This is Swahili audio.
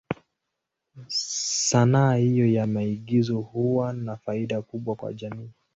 Sanaa hiyo ya maigizo huwa na faida kubwa kwa jamii.